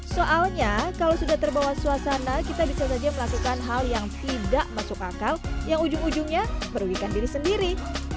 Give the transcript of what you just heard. soalnya kalau sudah terbawa suasana kita bisa saja melakukan hal yang tidak masuk akal yang ujung ujungnya merugikan diri sendiri